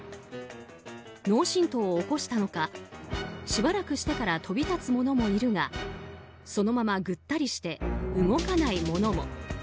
脳しんとうを起こしたのかしばらくしてから飛び立つものもいるがそのままぐったりして動かないものも。